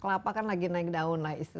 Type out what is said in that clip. kelapa kan lagi naik daun lah istilahnya